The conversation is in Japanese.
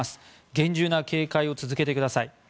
厳重な警戒を続けてください。